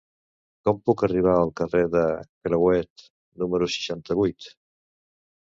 Com puc arribar al carrer de Crehuet número seixanta-vuit?